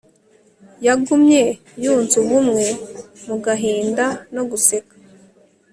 yagumye yunze ubumwe mu gahinda no guseka